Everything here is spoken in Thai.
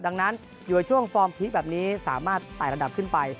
ดังนั้นอยู่ในช่วงฟอร์มพีคแบบนี้สามารถไต่ระดับขึ้นไป